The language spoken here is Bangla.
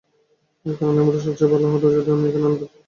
কারণ এই মুহূর্তে সবচেয়ে ভালো হতো যদি আমি এখানে না থাকতাম।